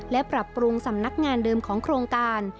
และปรับปรุงสำนักงานเดิมของโครงการ